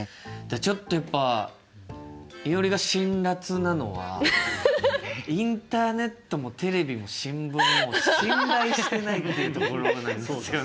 ちょっとやっぱいおりが辛辣なのはインターネットもテレビも新聞も信頼してないっていうところなんですよね。